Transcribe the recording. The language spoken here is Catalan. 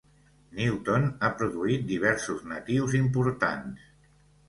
Newton ha produït diversos natius importants.